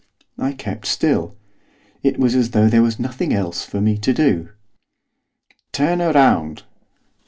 I kept still. It was as though there was nothing else for me to do. 'Turn round!